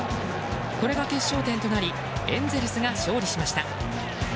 これが決勝点となりエンゼルスが勝利しました。